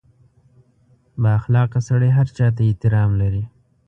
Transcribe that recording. • بااخلاقه سړی هر چا ته احترام لري.